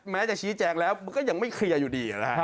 แม้จะชี้แจงแล้วมันก็ยังไม่เคลียร์อยู่ดีนะฮะ